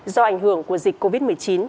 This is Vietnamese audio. do ảnh hưởng của dịch covid một mươi chín